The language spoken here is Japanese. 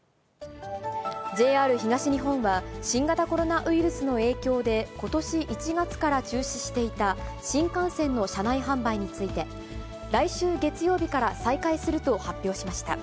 ＪＲ東日本は、新型コロナウイルスの影響でことし１月から中止していた、新幹線の車内販売について、来週月曜日から再開すると発表しました。